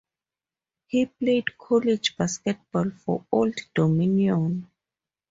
He played college basketball for Old Dominion.